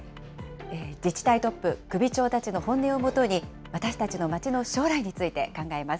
自治体トップ・首長たちの本音をもとに、私たちのまちの将来について考えます。